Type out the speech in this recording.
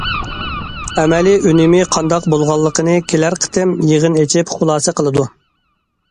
ئەمەلىي ئۈنۈمى قانداق بولغانلىقىنى كېلەر قېتىم يىغىن ئېچىپ خۇلاسە قىلىدۇ.